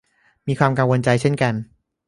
มีความกังวลใจเช่นกัน